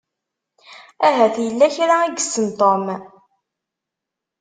Ahat yella kra i yessen Tom.